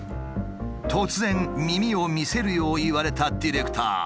突然耳を見せるよう言われたディレクター。